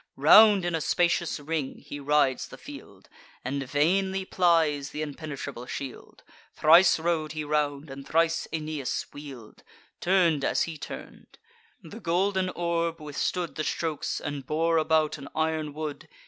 Round in a spacious ring he rides the field, And vainly plies th' impenetrable shield. Thrice rode he round; and thrice Aeneas wheel'd, Turn'd as he turn'd: the golden orb withstood The strokes, and bore about an iron wood.